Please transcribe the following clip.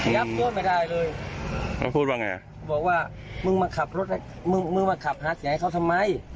ตัวไม่ได้เลยมึงพูดว่าไงบอกว่ามึงมาขับรถมึงมึงมาขับหาเสียงให้เขาทำไม